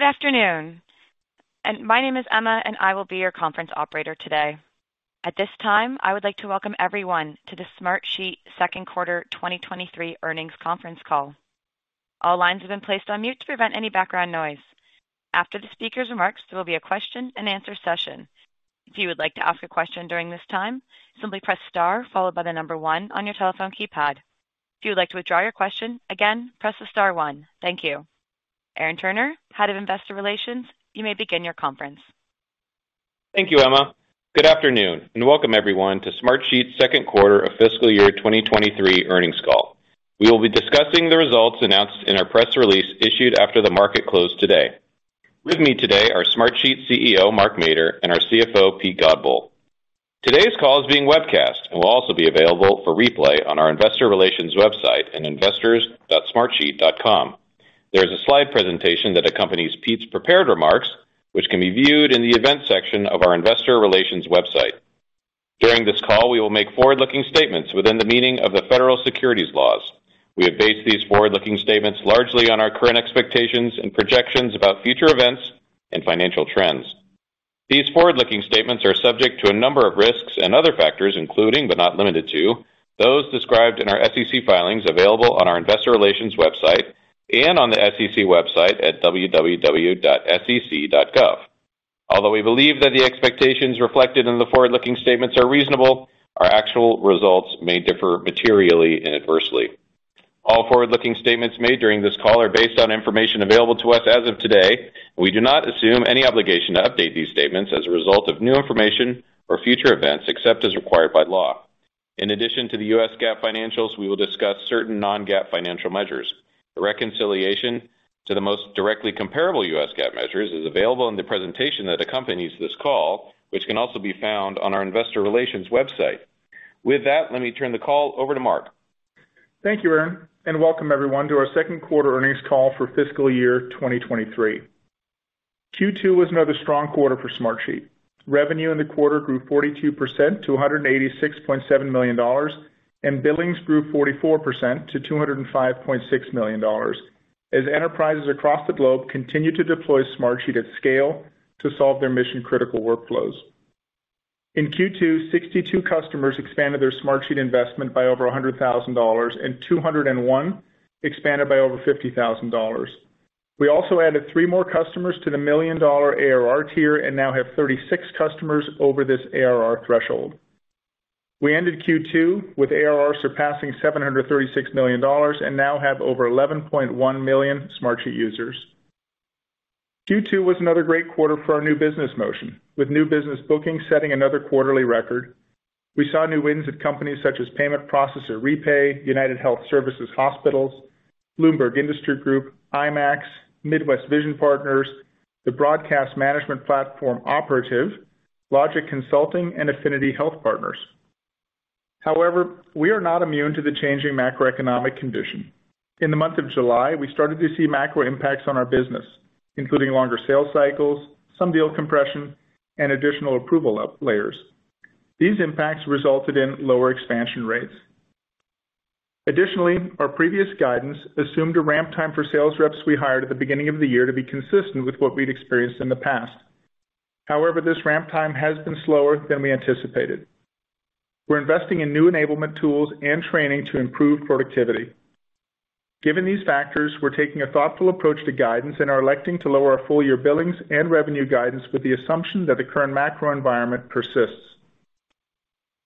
Good afternoon, my name is Emma, and I will be your conference operator today. At this time, I would like to welcome everyone to the Smartsheet second quarter 2023 earnings conference call. All lines have been placed on mute to prevent any background noise. After the speaker's remarks, there will be a question-and-answer session. If you would like to ask a question during this time, simply press star followed by the number one on your telephone keypad. If you would like to withdraw your question, again, press the star one. Thank you. Aaron Turner, Head of Investor Relations, you may begin your conference. Thank you, Emma. Good afternoon, and welcome everyone to Smartsheet second quarter of fiscal year 2023 earnings call. We will be discussing the results announced in our press release issued after the market closed today. With me today are Smartsheet CEO, Mark Mader, and our CFO, Pete Godbole. Today's call is being webcast and will also be available for replay on our investor relations website at investors.smartsheet.com. There is a slide presentation that accompanies Pete's prepared remarks, which can be viewed in the events section of our investor relations website. During this call, we will make forward-looking statements within the meaning of the federal securities laws. We have based these forward-looking statements largely on our current expectations and projections about future events and financial trends. These forward-looking statements are subject to a number of risks and other factors, including, but not limited to, those described in our SEC filings available on our investor relations website and on the SEC website at www.sec.gov. Although we believe that the expectations reflected in the forward-looking statements are reasonable, our actual results may differ materially and adversely. All forward-looking statements made during this call are based on information available to us as of today. We do not assume any obligation to update these statements as a result of new information or future events, except as required by law. In addition to the U.S. GAAP financials, we will discuss certain non-GAAP financial measures. A reconciliation to the most directly comparable U.S. GAAP measures is available in the presentation that accompanies this call, which can also be found on our investor relations website. With that, let me turn the call over to Mark. Thank you, Aaron, and welcome everyone to our second quarter earnings call for fiscal year 2023. Q2 was another strong quarter for Smartsheet. Revenue in the quarter grew 42% to $186.7 million, and billings grew 44% to $205.6 million as enterprises across the globe continue to deploy Smartsheet at scale to solve their mission-critical workflows. In Q2, 62 customers expanded their Smartsheet investment by over $100,000 and 201 expanded by over $50,000. We also added three more customers to the million-dollar ARR tier and now have 36 customers over this ARR threshold. We ended Q2 with ARR surpassing $736 million and now have over 11.1 million Smartsheet users. Q2 was another great quarter for our new business motion, with new business bookings setting another quarterly record. We saw new wins at companies such as payment processor REPAY, United Health Services, Bloomberg Industry Group, IMAX, Midwest Vision Partners, the broadcast management platform Operative, LOGIC Consulting, and Affinity Health Partners. However, we are not immune to the changing macroeconomic condition. In the month of July, we started to see macro impacts on our business, including longer sales cycles, some deal compression, and additional approval up layers. These impacts resulted in lower expansion rates. Additionally, our previous guidance assumed a ramp time for sales reps we hired at the beginning of the year to be consistent with what we'd experienced in the past. However, this ramp time has been slower than we anticipated. We're investing in new enablement tools and training to improve productivity. Given these factors, we're taking a thoughtful approach to guidance and are electing to lower our full-year billings and revenue guidance with the assumption that the current macro environment persists.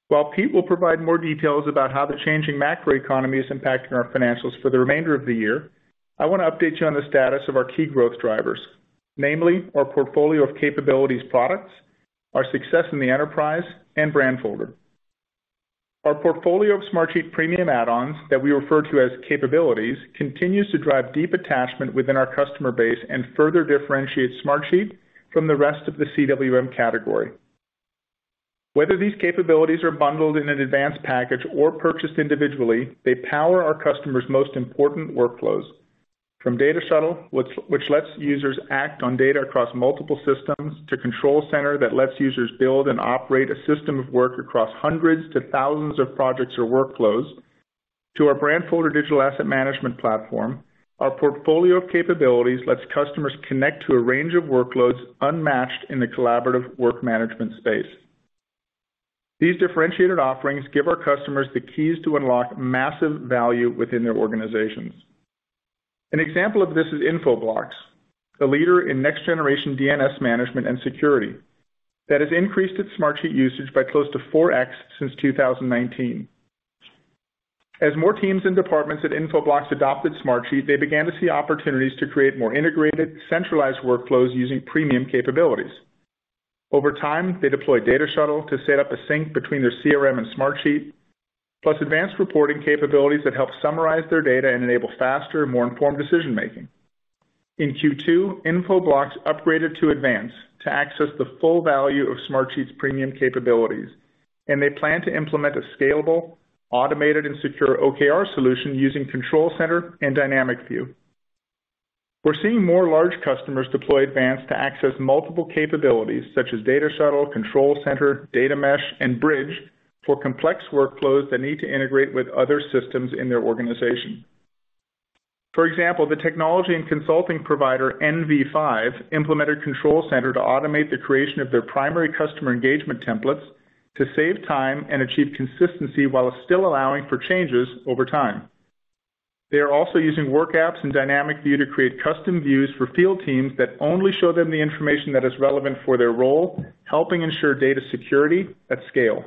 While Pete will provide more details about how the changing macroeconomy is impacting our financials for the remainder of the year, I want to update you on the status of our key growth drivers, namely our portfolio of capabilities products, our success in the enterprise, and Brandfolder. Our portfolio of Smartsheet premium add-ons that we refer to as capabilities continues to drive deep attachment within our customer base and further differentiate Smartsheet from the rest of the CWM category. Whether these capabilities are bundled in an advanced package or purchased individually, they power our customers' most important workflows. From Data Shuttle, which lets users act on data across multiple systems, to Control Center that lets users build and operate a system of work across hundreds to thousands of projects or workflows, to our Brandfolder digital asset management platform, our portfolio of capabilities lets customers connect to a range of workloads unmatched in the collaborative work management space. These differentiated offerings give our customers the keys to unlock massive value within their organizations. An example of this is Infoblox, the leader in next-generation DNS management and security that has increased its Smartsheet usage by close to 4x since 2019. As more teams and departments at Infoblox adopted Smartsheet, they began to see opportunities to create more integrated, centralized workflows using premium capabilities. Over time, they deployed Data Shuttle to set up a sync between their CRM and Smartsheet, plus advanced reporting capabilities that help summarize their data and enable faster and more informed decision-making. In Q2, Infoblox upgraded to Advance to access the full value of Smartsheet's premium capabilities, and they plan to implement a scalable, automated, and secure OKR solution using Control Center and Dynamic View. We're seeing more large customers deploy Advance to access multiple capabilities such as Data Shuttle, Control Center, Data Mesh, and Bridge for complex workflows that need to integrate with other systems in their organization. For example, the technology and consulting provider NV5 implemented Control Center to automate the creation of their primary customer engagement templates to save time and achieve consistency while still allowing for changes over time. They are also using WorkApps and Dynamic View to create custom views for field teams that only show them the information that is relevant for their role, helping ensure data security at scale.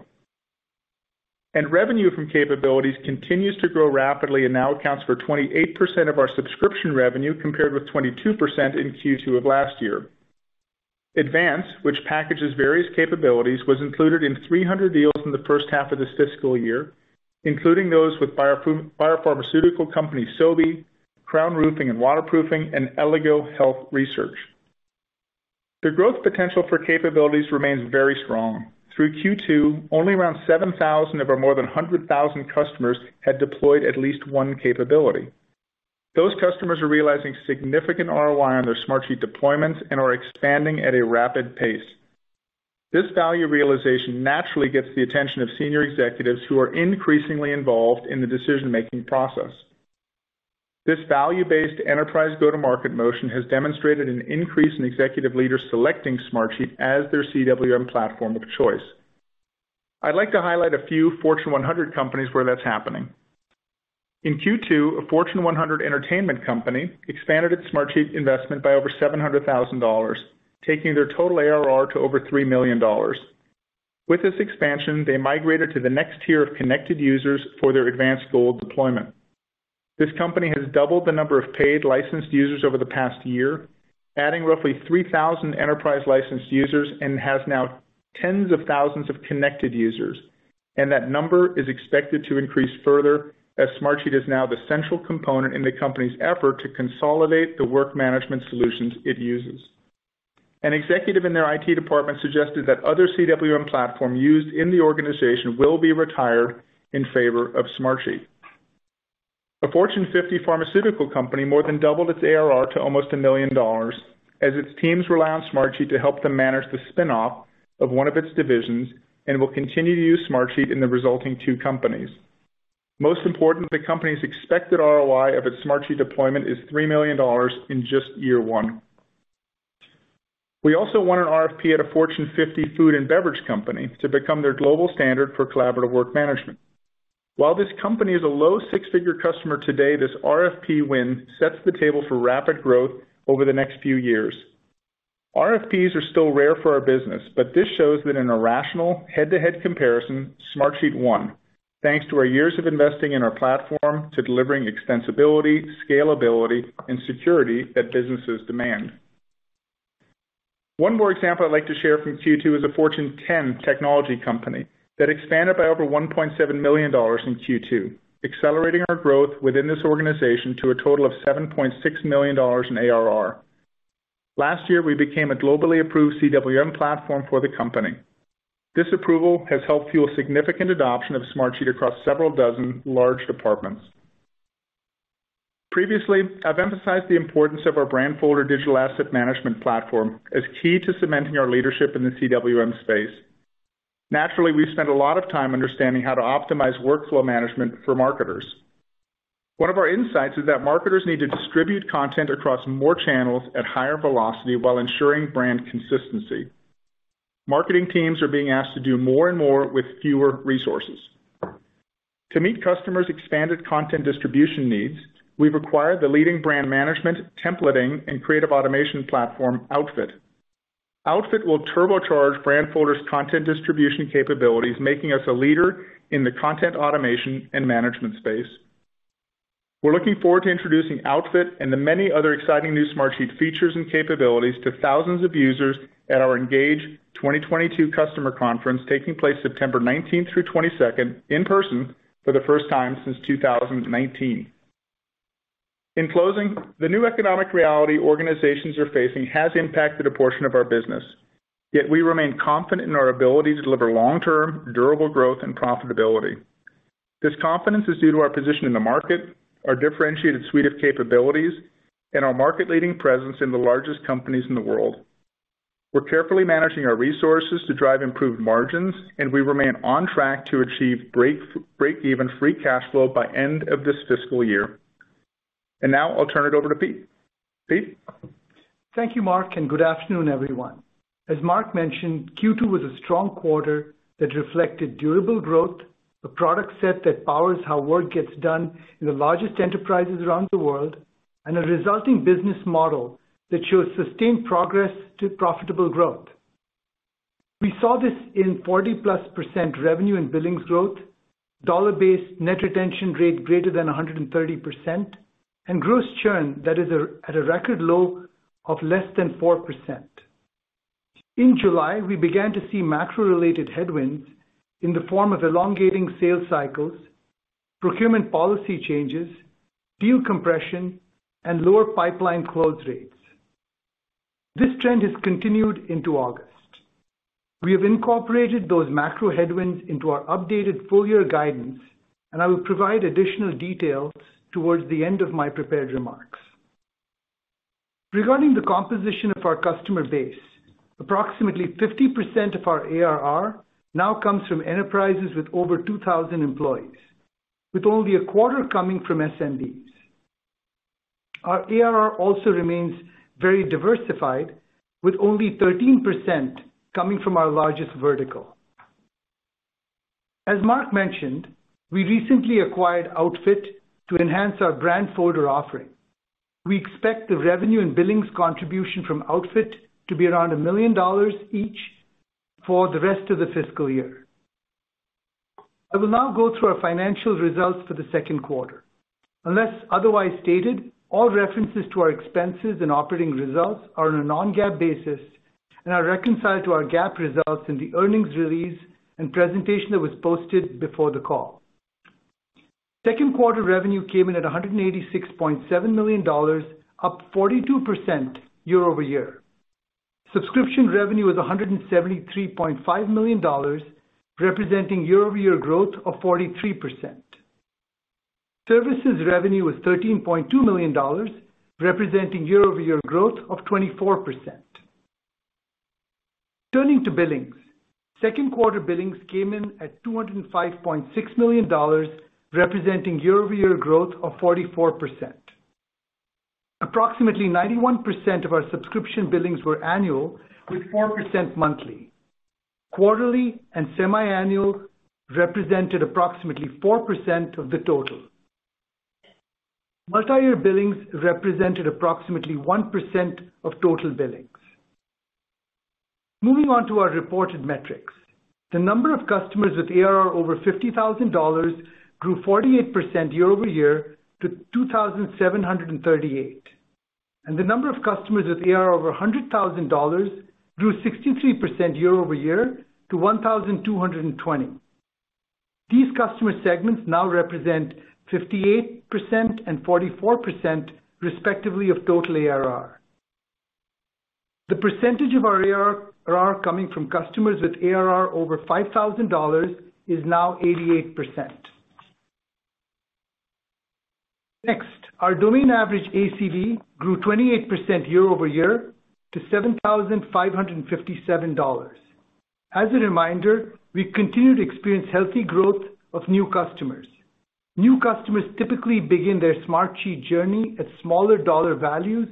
Revenue from capabilities continues to grow rapidly and now accounts for 28% of our subscription revenue, compared with 22% in Q2 of last year. Advance, which packages various capabilities, was included in 300 deals in the first half of this fiscal year, including those with biopharmaceutical company Sobi, Crown Roofing & Waterproofing, and Elligo Health Research. The growth potential for capabilities remains very strong. Through Q2, only around 7,000 of our more than 100,000 customers had deployed at least one capability. Those customers are realizing significant ROI on their Smartsheet deployments and are expanding at a rapid pace. This value realization naturally gets the attention of senior executives who are increasingly involved in the decision-making process. This value-based enterprise go-to-market motion has demonstrated an increase in executive leaders selecting Smartsheet as their CWM platform of choice. I'd like to highlight a few Fortune 100 companies where that's happening. In Q2, a Fortune 100 entertainment company expanded its Smartsheet investment by over $700,000, taking their total ARR to over $3 million. With this expansion, they migrated to the next tier of connected users for their Advance Gold deployment. This company has doubled the number of paid licensed users over the past year, adding roughly 3,000 enterprise-licensed users, and has now tens of thousands of connected users. That number is expected to increase further as Smartsheet is now the central component in the company's effort to consolidate the work management solutions it uses. An executive in their IT department suggested that other CWM platform used in the organization will be retired in favor of Smartsheet. A Fortune 50 pharmaceutical company more than doubled its ARR to almost $1 million as its teams rely on Smartsheet to help them manage the spin-off of one of its divisions and will continue to use Smartsheet in the resulting two companies. Most important, the company's expected ROI of its Smartsheet deployment is $3 million in just year 1. We also won an RFP at a Fortune 50 food and beverage company to become their global standard for collaborative work management. While this company is a low six-figure customer today, this RFP win sets the table for rapid growth over the next few years. RFPs are still rare for our business, but this shows that in a rational head-to-head comparison, Smartsheet won, thanks to our years of investing in our platform to delivering extensibility, scalability, and security that businesses demand. One more example I'd like to share from Q2 is a Fortune 10 technology company that expanded by over $1.7 million in Q2, accelerating our growth within this organization to a total of $7.6 million in ARR. Last year, we became a globally approved CWM platform for the company. This approval has helped fuel significant adoption of Smartsheet across several dozen large departments. Previously, I've emphasized the importance of our Brandfolder digital asset management platform as key to cementing our leadership in the CWM space. Naturally, we've spent a lot of time understanding how to optimize workflow management for marketers. One of our insights is that marketers need to distribute content across more channels at higher velocity while ensuring brand consistency. Marketing teams are being asked to do more and more with fewer resources. To meet customers' expanded content distribution needs, we've acquired the leading brand management templating and creative automation platform Outfit. Outfit will turbocharge Brandfolder's content distribution capabilities, making us a leader in the content automation and management space. We're looking forward to introducing Outfit and the many other exciting new Smartsheet features and capabilities to thousands of users at our ENGAGE 2022 customer conference, taking place September 19 through 22 in person for the first time since 2019. In closing, the new economic reality organizations are facing has impacted a portion of our business, yet we remain confident in our ability to deliver long-term, durable growth and profitability. This confidence is due to our position in the market, our differentiated suite of capabilities, and our market-leading presence in the largest companies in the world. We're carefully managing our resources to drive improved margins, and we remain on track to achieve break-even free cash flow by end of this fiscal year. Now I'll turn it over to Pete. Pete? Thank you, Mark, and good afternoon, everyone. As Mark mentioned, Q2 was a strong quarter that reflected durable growth, a product set that powers how work gets done in the largest enterprises around the world, and a resulting business model that shows sustained progress to profitable growth. We saw this in 40+% revenue and billings growth, dollar-based net retention rate greater than 130%, and gross churn that is at a record low of less than 4%. In July, we began to see macro-related headwinds in the form of elongating sales cycles, procurement policy changes, deal compression, and lower pipeline close rates. This trend has continued into August. We have incorporated those macro headwinds into our updated full-year guidance, and I will provide additional details towards the end of my prepared remarks. Regarding the composition of our customer base, approximately 50% of our ARR now comes from enterprises with over 2,000 employees, with only 25% coming from SMBs. Our ARR also remains very diversified, with only 13% coming from our largest vertical. As Mark mentioned, we recently acquired Outfit to enhance our Brandfolder offering. We expect the revenue and billings contribution from Outfit to be around $1 million each for the rest of the fiscal year. I will now go through our financial results for the second quarter. Unless otherwise stated, all references to our expenses and operating results are on a non-GAAP basis and are reconciled to our GAAP results in the earnings release and presentation that was posted before the call. Second quarter revenue came in at $186.7 million, up 42% year-over-year. Subscription revenue was $173.5 million, representing year-over-year growth of 43%. Services revenue was $13.2 million, representing year-over-year growth of 24%. Turning to billings. Second quarter billings came in at $205.6 million, representing year-over-year growth of 44%. Approximately 91% of our subscription billings were annual, with 4% monthly. Quarterly and semiannual represented approximately 4% of the total. Multi-year billings represented approximately 1% of total billings. Moving on to our reported metrics. The number of customers with ARR over $50,000 grew 48% year-over-year to 2,738, and the number of customers with ARR over $100,000 grew 63% year-over-year to 1,220. These customer segments now represent 58% and 44% respectively of total ARR. The percentage of our ARR coming from customers with ARR over $5,000 is now 88%. Next, our domain average ACV grew 28% year-over-year to $7,557. As a reminder, we continue to experience healthy growth of new customers. New customers typically begin their Smartsheet journey at smaller dollar values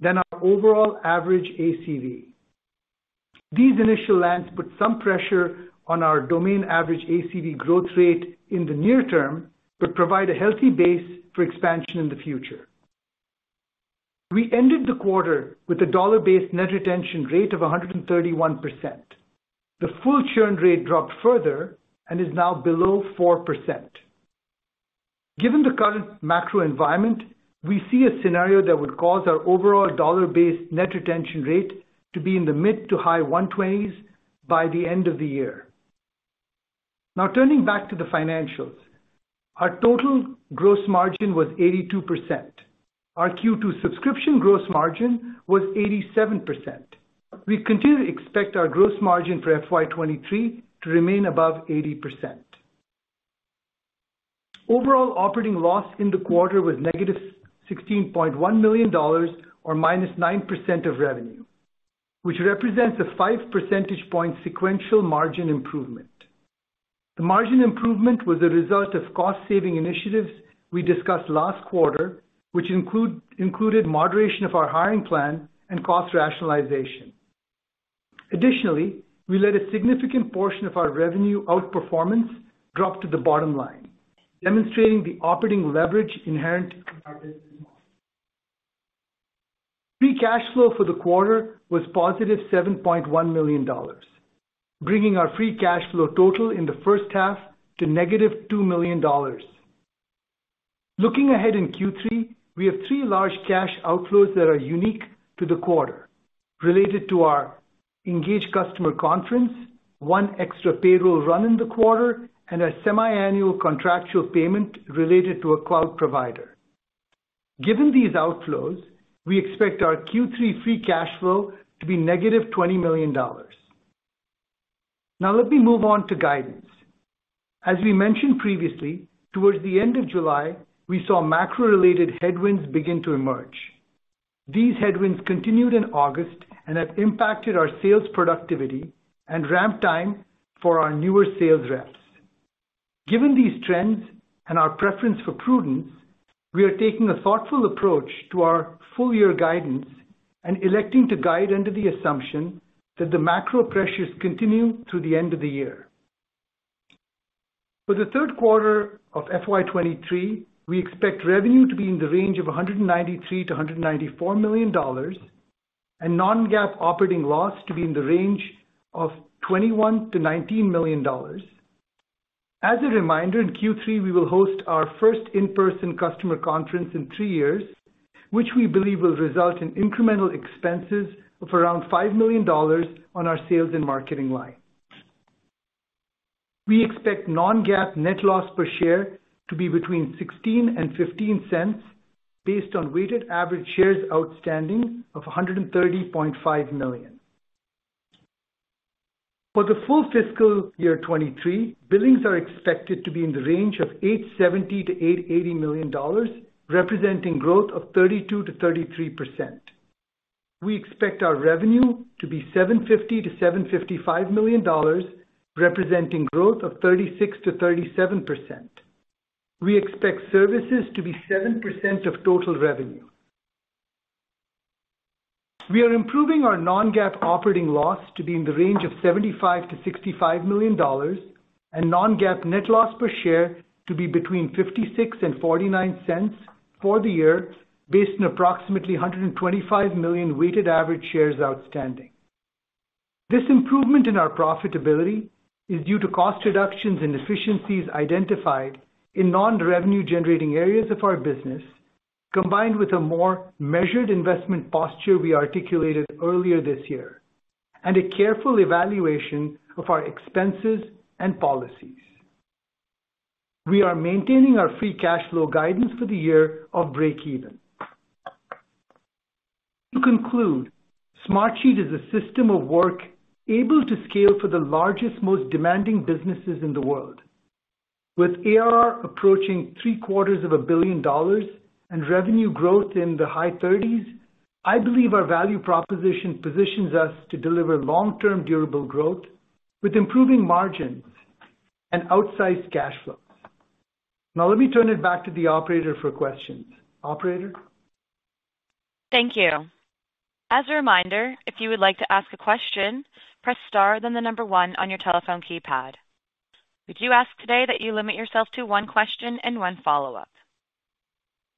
than our overall average ACV. These initial lands put some pressure on our domain average ACV growth rate in the near term, but provide a healthy base for expansion in the future. We ended the quarter with a dollar-based net retention rate of 131%. The full churn rate dropped further and is now below 4%. Given the current macro environment, we see a scenario that would cause our overall dollar-based net retention rate to be in the mid- to high-120s by the end of the year. Now turning back to the financials. Our total gross margin was 82%. Our Q2 subscription gross margin was 87%. We continue to expect our gross margin for FY23 to remain above 80%. Overall operating loss in the quarter was -$16.1 million or -9% of revenue, which represents a 5 percentage point sequential margin improvement. The margin improvement was a result of cost saving initiatives we discussed last quarter, which included moderation of our hiring plan and cost rationalization. Additionally, we let a significant portion of our revenue outperformance drop to the bottom line, demonstrating the operating leverage inherent in our business model. Free cash flow for the quarter was +$7.1 million, bringing our free cash flow total in the first half to -$2 million. Looking ahead in Q3, we have three large cash outflows that are unique to the quarter, related to our ENGAGE customer conference, one extra payroll run in the quarter, and a semiannual contractual payment related to a cloud provider. Given these outflows, we expect our Q3 free cash flow to be -$20 million. Now let me move on to guidance. As we mentioned previously, towards the end of July, we saw macro-related headwinds begin to emerge. These headwinds continued in August and have impacted our sales productivity and ramp time for our newer sales reps. Given these trends and our preference for prudence, we are taking a thoughtful approach to our full-year guidance and electing to guide under the assumption that the macro pressures continue through the end of the year. For the third quarter of FY23, we expect revenue to be in the range of $193 million-$194 million and non-GAAP operating loss to be in the range of $21 million-$19 million. As a reminder, in Q3 we will host our first in-person customer conference in three years, which we believe will result in incremental expenses of around $5 million on our sales and marketing line. We expect non-GAAP net loss per share to be between $0.16 and $0.15 based on weighted average shares outstanding of 130.5 million. For the full fiscal year 2023, billings are expected to be in the range of $870 million-$880 million, representing growth of 32%-33%. We expect our revenue to be $750 million-$755 million, representing growth of 36%-37%. We expect services to be 7% of total revenue. We are improving our non-GAAP operating loss to be in the range of $75 million-$65 million and non-GAAP net loss per share to be between $0.56 and $0.49 for the year based on approximately 125 million weighted average shares outstanding. This improvement in our profitability is due to cost reductions and efficiencies identified in non-revenue generating areas of our business, combined with a more measured investment posture we articulated earlier this year, and a careful evaluation of our expenses and policies. We are maintaining our free cash flow guidance for the year of breakeven. To conclude, Smartsheet is a system of work able to scale for the largest, most demanding businesses in the world. With ARR approaching three-quarters of a billion dollars and revenue growth in the high 30s%, I believe our value proposition positions us to deliver long-term durable growth with improving margins and outsized cash flows. Now let me turn it back to the operator for questions. Operator? Thank you. As a reminder, if you would like to ask a question, press star then the number one on your telephone keypad. We do ask today that you limit yourself to one question and one follow-up.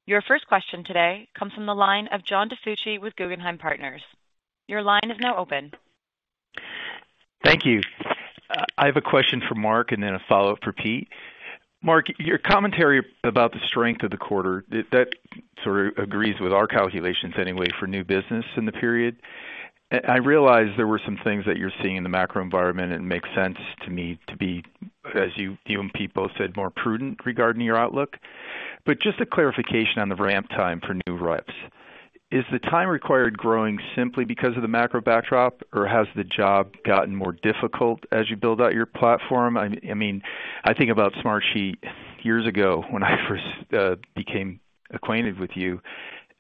Your first question today comes from the line of John DiFucci with Guggenheim Partners. Your line is now open. Thank you. I have a question for Mark and then a follow-up for Pete. Mark, your commentary about the strength of the quarter, that sort of agrees with our calculations anyway for new business in the period. I realize there were some things that you're seeing in the macro environment, and it makes sense to me to be, as you and Pete both said, more prudent regarding your outlook. Just a clarification on the ramp time for new reps. Is the time required growing simply because of the macro backdrop or has the job gotten more difficult as you build out your platform? I mean, I think about Smartsheet years ago when I first became acquainted with you,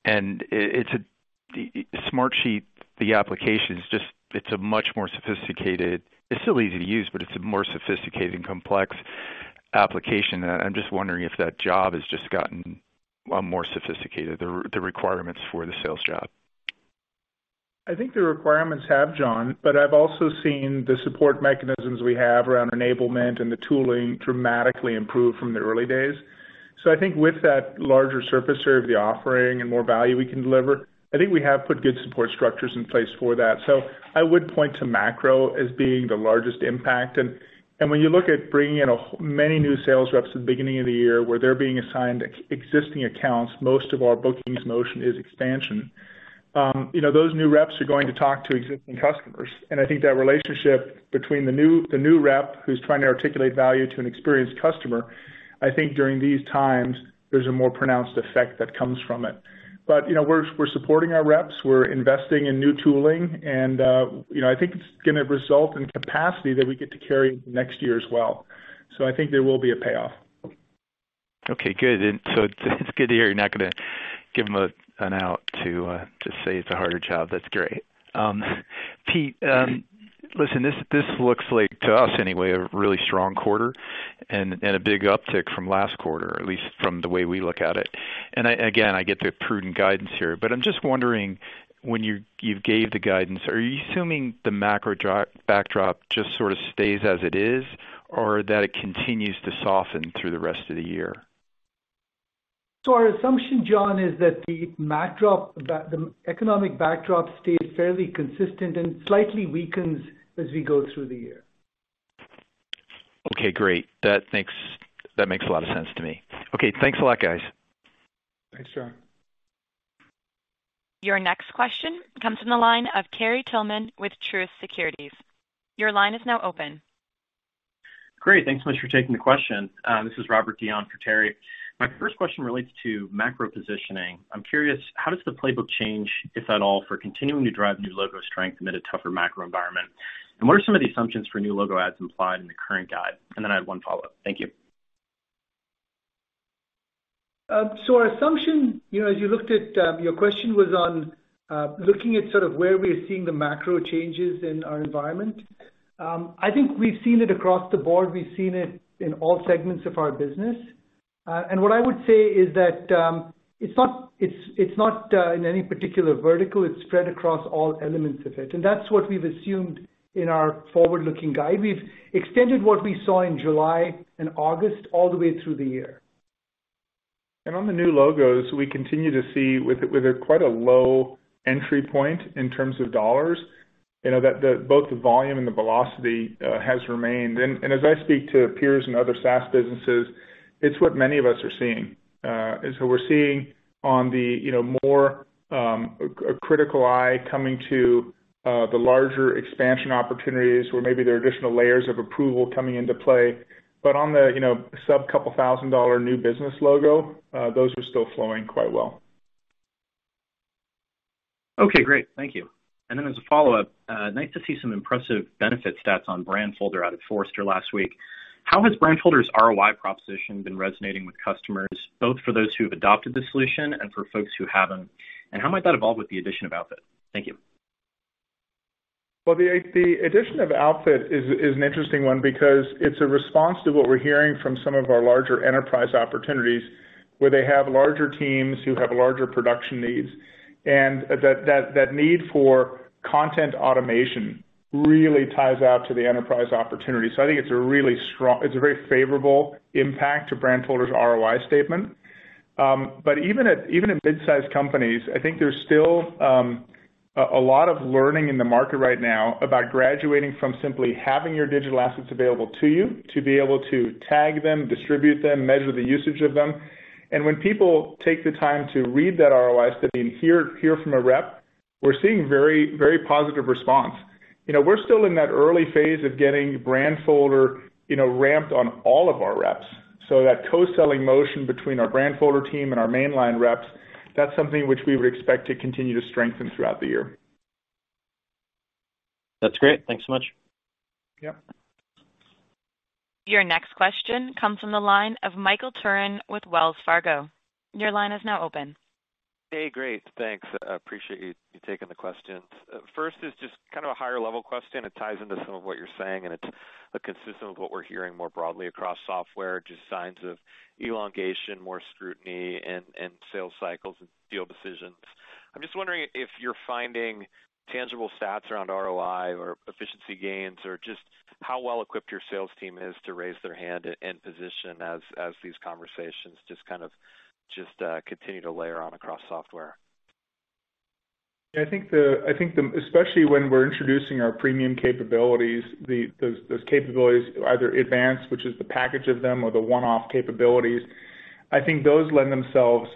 and Smartsheet, the application's just, it's a much more sophisticated. It's still easy to use, but it's a more sophisticated and complex application. I'm just wondering if that job has just gotten a lot more sophisticated, the requirements for the sales job. I think the requirements have, John, but I've also seen the support mechanisms we have around enablement and the tooling dramatically improve from the early days. I think with that larger surface area of the offering and more value we can deliver, I think we have put good support structures in place for that. I would point to macro as being the largest impact. When you look at bringing in many new sales reps at the beginning of the year where they're being assigned existing accounts, most of our bookings motion is expansion. You know, those new reps are going to talk to existing customers. I think that relationship between the new rep who's trying to articulate value to an experienced customer. I think during these times, there's a more pronounced effect that comes from it. you know, we're supporting our reps. We're investing in new tooling, and, you know, I think it's gonna result in capacity that we get to carry next year as well. I think there will be a payoff. Okay, good. It's good to hear you're not gonna give them an out to say it's a harder job. That's great. Pete, listen, this looks like to us anyway a really strong quarter and a big uptick from last quarter, at least from the way we look at it. I again get the prudent guidance here, but I'm just wondering, when you gave the guidance, are you assuming the macro backdrop just sort of stays as it is, or that it continues to soften through the rest of the year? Our assumption, John, is that the backdrop, the economic backdrop stays fairly consistent and slightly weakens as we go through the year. Okay, great. That makes a lot of sense to me. Okay, thanks a lot, guys. Thanks, John. Your next question comes from the line of Terry Tillman with Truist Securities. Your line is now open. Great. Thanks so much for taking the question. This is Robert Dion for Terry. My first question relates to macro positioning. I'm curious, how does the playbook change, if at all, for continuing to drive new logo strength amid a tougher macro environment? And what are some of the assumptions for new logo adds implied in the current guide? And then I have one follow-up. Thank you. Our assumption, you know, as you looked at, your question was on looking at sort of where we are seeing the macro changes in our environment. I think we've seen it across the board. We've seen it in all segments of our business. What I would say is that it's not in any particular vertical. It's spread across all elements of it. That's what we've assumed in our forward-looking guide. We've extended what we saw in July and August all the way through the year. On the new logos, we continue to see with quite a low entry point in terms of dollars, you know, that both the volume and the velocity has remained. As I speak to peers and other SaaS businesses, it's what many of us are seeing. We're seeing on the, you know, more a critical eye coming to the larger expansion opportunities where maybe there are additional layers of approval coming into play. On the, you know, sub-$2,000 new business logo, those are still flowing quite well. Okay, great. Thank you. As a follow-up, nice to see some impressive benefit stats on Brandfolder out of Forrester last week. How has Brandfolder's ROI proposition been resonating with customers, both for those who have adopted the solution and for folks who haven't? How might that evolve with the addition of Outfit? Thank you. Well, the addition of Outfit is an interesting one because it's a response to what we're hearing from some of our larger enterprise opportunities, where they have larger teams who have larger production needs, and that need for content automation really ties into the enterprise opportunity. I think it's a very favorable impact to Brandfolder's ROI statement. But even at mid-sized companies, I think there's still a lot of learning in the market right now about graduating from simply having your digital assets available to you to be able to tag them, distribute them, measure the usage of them. When people take the time to read that ROI statement, hear from a rep, we're seeing very, very positive response. You know, we're still in that early phase of getting Brandfolder, you know, ramped on all of our reps. That co-selling motion between our Brandfolder team and our mainline reps, that's something which we would expect to continue to strengthen throughout the year. That's great. Thanks so much. Yeah. Your next question comes from the line of Michael Turrin with Wells Fargo. Your line is now open. Hey, great. Thanks. I appreciate you taking the questions. First is just kind of a higher level question. It ties into some of what you're saying, and it's consistent with what we're hearing more broadly across software, just signs of elongation, more scrutiny and sales cycles and deal decisions. I'm just wondering if you're finding tangible stats around ROI or efficiency gains or just how well equipped your sales team is to raise their hand and position as these conversations just kind of just continue to layer on across software. I think the especially when we're introducing our premium capabilities, those capabilities, either Advance, which is the package of them or the one-off capabilities, I think those lend themselves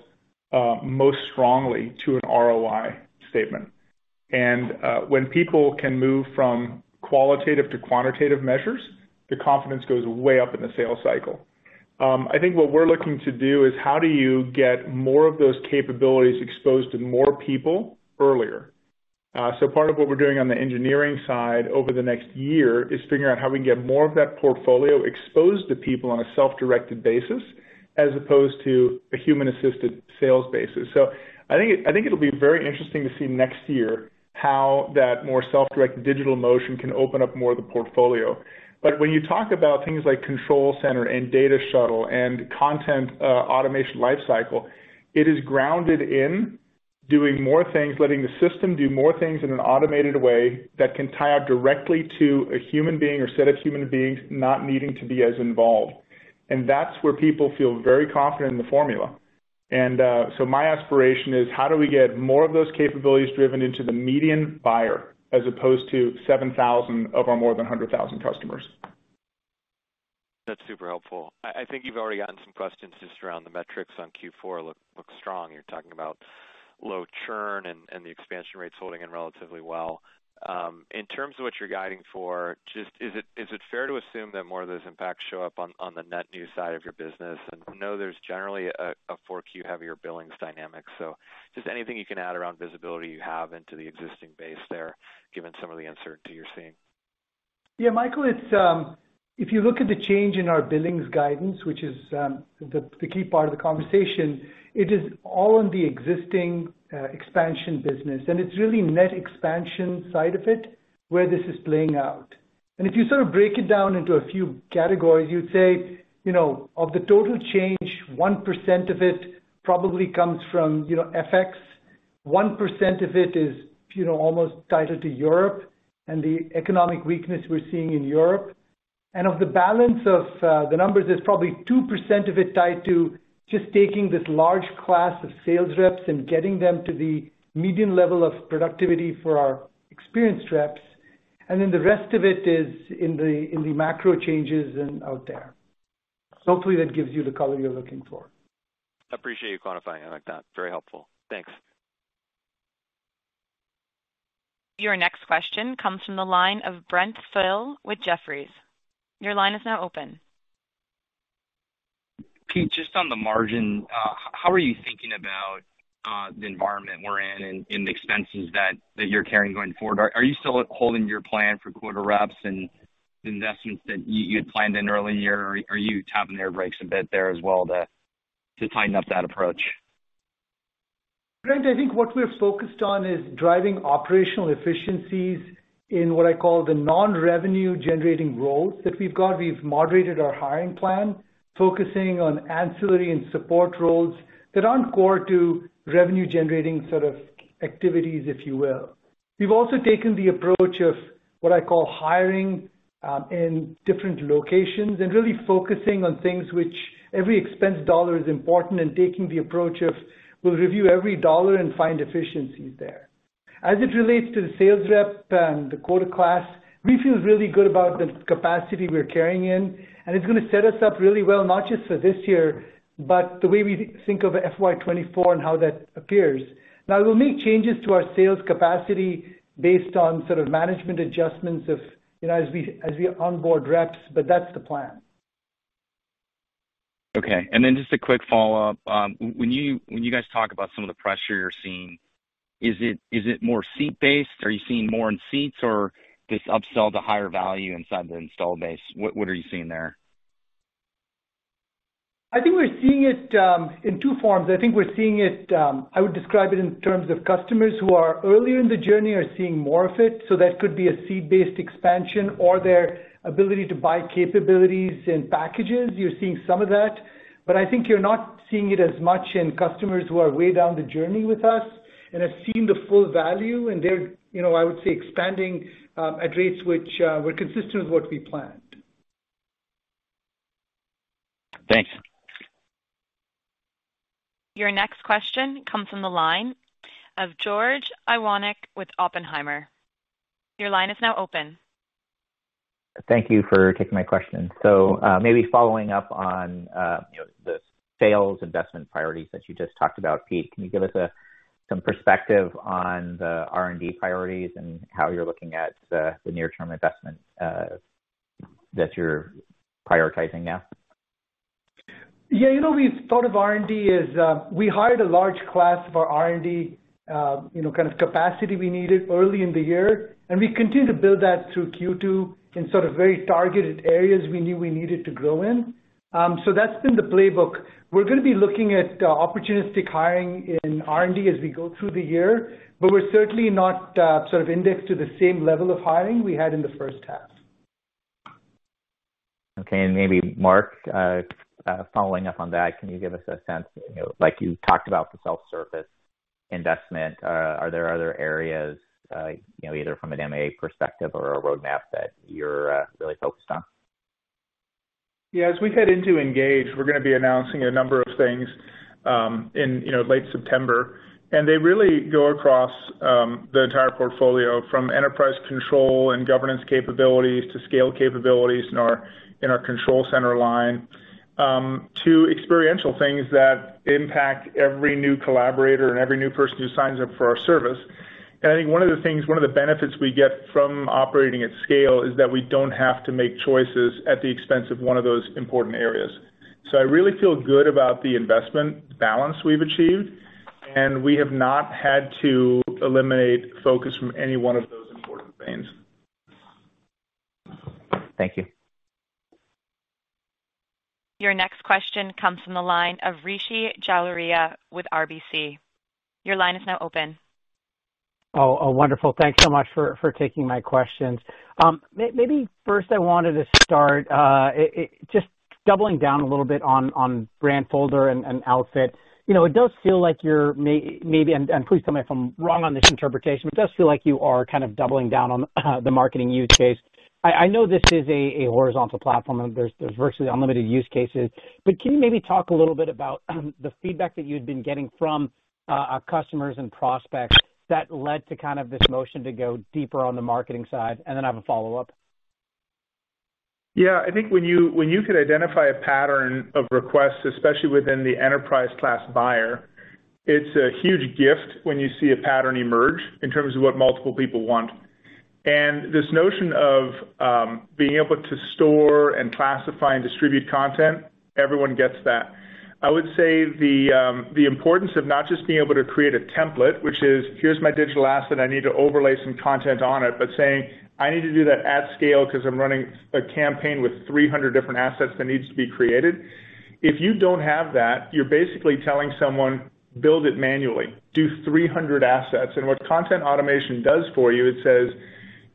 most strongly to an ROI statement. When people can move from qualitative to quantitative measures, the confidence goes way up in the sales cycle. I think what we're looking to do is how do you get more of those capabilities exposed to more people earlier? Part of what we're doing on the engineering side over the next year is figuring out how we can get more of that portfolio exposed to people on a self-directed basis as opposed to a human-assisted sales basis. I think it'll be very interesting to see next year how that more self-directed digital motion can open up more of the portfolio. When you talk about things like Control Center and Data Shuttle and content automation lifecycle, it is grounded in doing more things, letting the system do more things in an automated way that can tie out directly to a human being or set of human beings not needing to be as involved. That's where people feel very confident in the formula. My aspiration is how do we get more of those capabilities driven into the median buyer as opposed to 7,000 of our more than 100,000 customers. That's super helpful. I think you've already gotten some questions just around the metrics on Q4 look strong. You're talking about low churn and the expansion rates holding in relatively well. In terms of what you're guiding for, just is it fair to assume that more of those impacts show up on the net new side of your business? We know there's generally a Q4 heavier billings dynamic, so just anything you can add around visibility you have into the existing base there, given some of the uncertainty you're seeing. Yeah, Michael, it's if you look at the change in our billings guidance, which is the key part of the conversation. It is all in the existing expansion business, and it's really net expansion side of it where this is playing out. If you sort of break it down into a few categories, you'd say, you know, of the total change, 1% of it probably comes from, you know, FX. 1% of it is, you know, almost tied into Europe and the economic weakness we're seeing in Europe. Of the balance of the numbers is probably 2% of it tied to just taking this large class of sales reps and getting them to the median level of productivity for our experienced reps. Then the rest of it is in the macro changes and out there. Hopefully, that gives you the color you're looking for. Appreciate you quantifying it like that. Very helpful. Thanks. Your next question comes from the line of Brent Thill with Jefferies. Your line is now open. Pete, just on the margin, how are you thinking about the environment we're in and the expenses that you're carrying going forward? Are you still holding your plan for quarter reps and investments that you had planned in early in the year, or are you tapping the air brakes a bit there as well to tighten up that approach? Brent, I think what we're focused on is driving operational efficiencies in what I call the non-revenue generating roles that we've got. We've moderated our hiring plan, focusing on ancillary and support roles that aren't core to revenue generating sort of activities, if you will. We've also taken the approach of what I call hiring in different locations and really focusing on things which every expense dollar is important and taking the approach of we'll review every dollar and find efficiencies there. As it relates to the sales rep and the quota class, we feel really good about the capacity we're carrying in, and it's gonna set us up really well, not just for this year, but the way we think of FY24 and how that appears. Now, we'll make changes to our sales capacity based on sort of management adjustments of, you know, as we onboard reps, but that's the plan. Okay. Just a quick follow-up. When you guys talk about some of the pressure you're seeing, is it more seat-based? Are you seeing more in seats or this upsell to higher value inside the install base? What are you seeing there? I think we're seeing it in two forms. I would describe it in terms of customers who are earlier in the journey are seeing more of it, so that could be a seed-based expansion or their ability to buy capabilities in packages. You're seeing some of that, but I think you're not seeing it as much in customers who are way down the journey with us and have seen the full value, and they're, you know, I would say, expanding at rates which were consistent with what we planned. Thanks. Your next question comes from the line of George Iwanyc with Oppenheimer. Your line is now open. Thank you for taking my question. Maybe following up on, you know, the sales investment priorities that you just talked about, Pete, can you give us some perspective on the R&D priorities and how you're looking at the near-term investment that you're prioritizing now? Yeah. You know, we've thought of R&D as we hired a large class of our R&D, you know, kind of capacity we needed early in the year, and we continued to build that through Q2 in sort of very targeted areas we knew we needed to grow in. That's been the playbook. We're gonna be looking at opportunistic hiring in R&D as we go through the year, but we're certainly not sort of indexed to the same level of hiring we had in the first half. Okay. Maybe Mark, following up on that, can you give us a sense, you know, like you talked about the self-service investment, are there other areas, you know, either from an M&A perspective or a roadmap that you're really focused on? Yeah. As we head into ENGAGE, we're gonna be announcing a number of things, in, you know, late September. They really go across the entire portfolio from enterprise control and governance capabilities to scale capabilities in our Control Center line, to experiential things that impact every new collaborator and every new person who signs up for our service. I think one of the things, one of the benefits we get from operating at scale is that we don't have to make choices at the expense of one of those important areas. I really feel good about the investment balance we've achieved, and we have not had to eliminate focus from any one of those important things. Thank you. Your next question comes from the line of Rishi Jaluria with RBC. Your line is now open. Oh, wonderful. Thanks so much for taking my questions. Maybe first I wanted to start just doubling down a little bit on Brandfolder and Outfit. You know, it does feel like you're maybe, and please tell me if I'm wrong on this interpretation. It does feel like you are kind of doubling down on the marketing use case. I know this is a horizontal platform, and there's virtually unlimited use cases, but can you maybe talk a little bit about the feedback that you'd been getting from customers and prospects that led to kind of this motion to go deeper on the marketing side, and then I have a follow-up. Yeah. I think when you could identify a pattern of requests, especially within the enterprise class buyer, it's a huge gift when you see a pattern emerge in terms of what multiple people want. This notion of being able to store and classify and distribute content, everyone gets that. I would say the importance of not just being able to create a template, which is, "Here's my digital asset, I need to overlay some content on it," but saying, "I need to do that at scale because I'm running a campaign with 300 different assets that needs to be created." If you don't have that, you're basically telling someone, "Build it manually. Do three hundred assets." What content automation does for you, it says,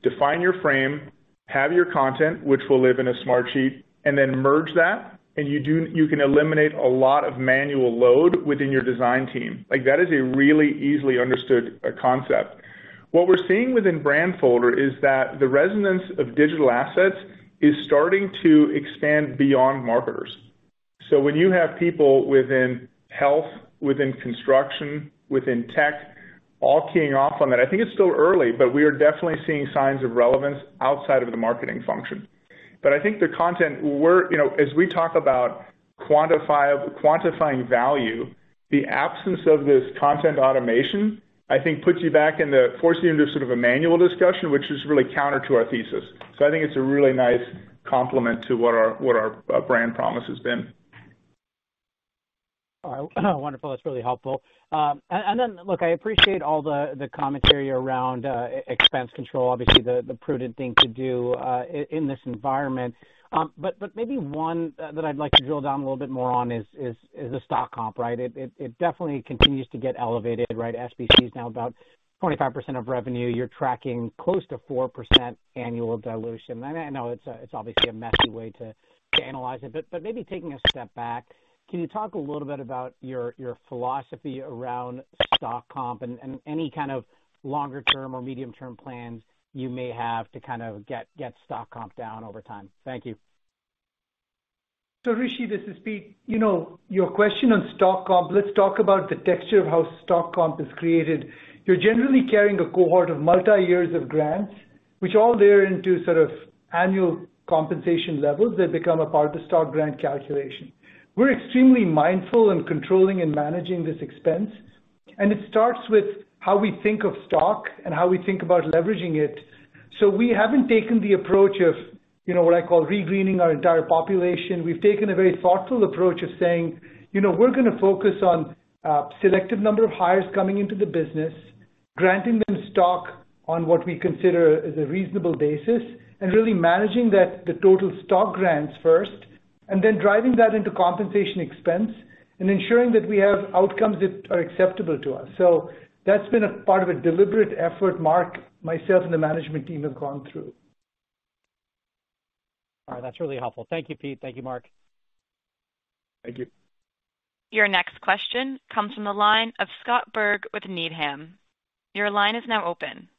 "Define your frame, have your content, which will live in a Smartsheet, and then merge that, and you can eliminate a lot of manual load within your design team." Like, that is a really easily understood concept. What we're seeing within Brandfolder is that the resonance of digital assets is starting to expand beyond marketers. When you have people within health, within construction, within tech, all keying off on that, I think it's still early, but we are definitely seeing signs of relevance outside of the marketing function. I think the content you know, as we talk about quantifying value, the absence of this content automation, I think forces you into sort of a manual discussion, which is really counter to our thesis. I think it's a really nice complement to what our brand promise has been. All right. Wonderful. That's really helpful. Look, I appreciate all the commentary around expense control, obviously the prudent thing to do in this environment. Maybe one that I'd like to drill down a little bit more on is the stock comp, right? It definitely continues to get elevated, right? SBC is now about 25% of revenue. You're tracking close to 4% annual dilution. I know it's obviously a messy way to analyze it, but maybe taking a step back, can you talk a little bit about your philosophy around stock comp and any kind of longer-term or medium-term plans you may have to kind of get stock comp down over time? Thank you. Rishi, this is Pete. You know, your question on stock comp, let's talk about the texture of how stock comp is created. You're generally carrying a cohort of multi-years of grants, which all layer into sort of annual compensation levels that become a part of the stock grant calculation. We're extremely mindful in controlling and managing this expense, and it starts with how we think of stock and how we think about leveraging it. We haven't taken the approach of, you know, what I call re-greening our entire population. We've taken a very thoughtful approach of saying, you know, we're gonna focus on, selective number of hires coming into the business, granting them stock on what we consider as a reasonable basis, and really managing that, the total stock grants first, and then driving that into compensation expense and ensuring that we have outcomes that are acceptable to us. That's been a part of a deliberate effort Mark, myself, and the management team have gone through. All right. That's really helpful. Thank you, Pete. Thank you, Mark. Thank you. Your next question comes from the line of Scott Berg with Needham. Your line is now open.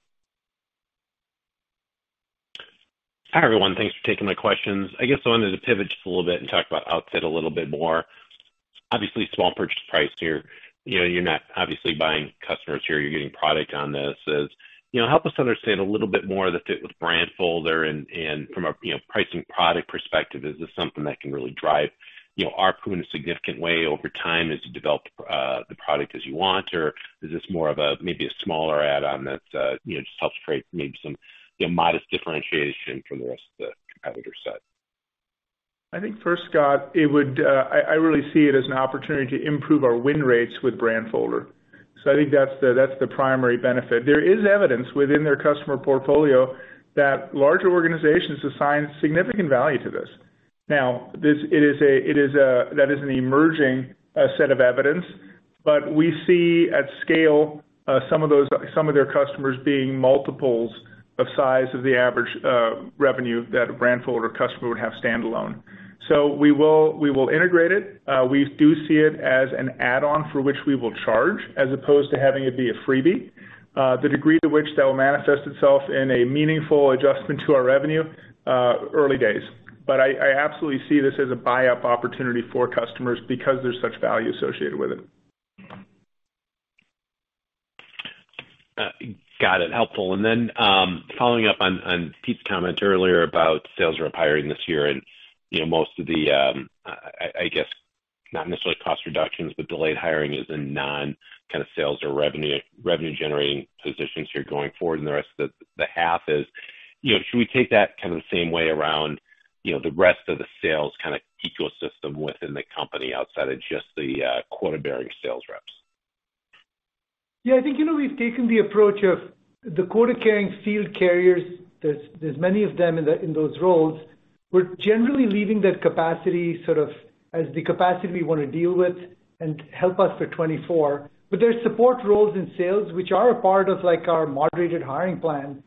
Hi, everyone. Thanks for taking my questions. I guess I wanted to pivot just a little bit and talk about Outfit a little bit more. Obviously, small purchase price here. You know, you're not obviously buying customers here, you're getting product on this. As you know, help us understand a little bit more the fit with Brandfolder and from a, you know, pricing product perspective, is this something that can really drive, you know, ARPU in a significant way over time as you develop the product as you want? Or is this more of a, maybe a smaller add-on that, you know, just helps create maybe some, you know, modest differentiation from the rest of the competitor set? I think first, Scott, it would, I really see it as an opportunity to improve our win rates with Brandfolder. I think that's the primary benefit. There is evidence within their customer portfolio that larger organizations assign significant value to this. Now, this is an emerging set of evidence, but we see at scale some of their customers being multiples of size of the average revenue that a Brandfolder customer would have standalone. We will integrate it. We do see it as an add-on for which we will charge, as opposed to having it be a freebie. The degree to which that will manifest itself in a meaningful adjustment to our revenue, early days. I absolutely see this as a buy-up opportunity for customers because there's such value associated with it. Got it. Helpful. Following up on Pete's comment earlier about sales rep hiring this year and, you know, most of the, I guess not necessarily cost reductions, but delayed hiring is in non kind of sales or revenue generating positions here going forward, and the rest of the half is. You know, should we take that kind of the same way around, you know, the rest of the sales kinda ecosystem within the company outside of just the quota-bearing sales reps? Yeah, I think, you know, we've taken the approach of the quota-carrying field carriers. There's many of them in those roles. We're generally leaving that capacity sort of as the capacity we wanna deal with and help us for 2024. There's support roles in sales, which are a part of like our moderated hiring plan,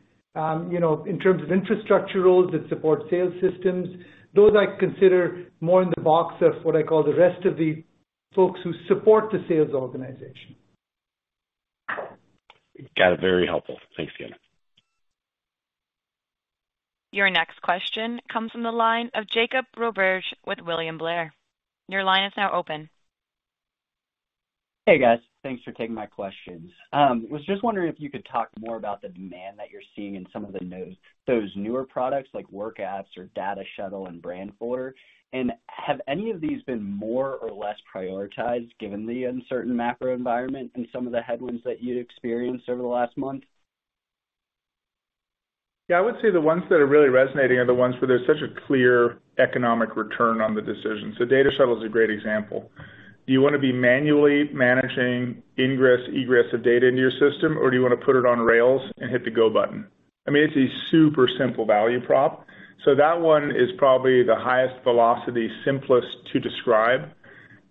you know, in terms of infrastructure roles that support sales systems. Those I consider more in the box of what I call the rest of the folks who support the sales organization. Got it. Very helpful. Thanks again. Your next question comes from the line of Jacob Roberge with William Blair. Your line is now open. Hey, guys. Thanks for taking my questions. Was just wondering if you could talk more about the demand that you're seeing in some of those newer products like WorkApps or Data Shuttle and Brandfolder? Have any of these been more or less prioritized given the uncertain macro environment and some of the headwinds that you'd experienced over the last month? Yeah, I would say the ones that are really resonating are the ones where there's such a clear economic return on the decision. So Data Shuttle is a great example. Do you wanna be manually managing ingress, egress of data into your system, or do you wanna put it on rails and hit the go button? I mean, it's a super simple value prop. So that one is probably the highest velocity, simplest to describe.